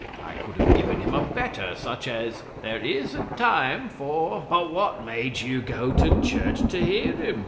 I could have given him a better, such as: "There is a time for "' 'But what made you go to church to hear him?